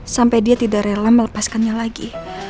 sampai dia tidak rela melepaskannya lagi